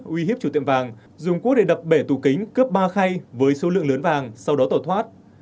uy hiếp chủ tiệm vàng dùng cuốc để đập bể tù kính cướp ba khay với số lượng lớn vàng sau đó tẩu thoát